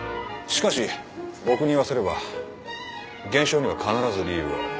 しかし僕に言わせれば現象には必ず理由がある。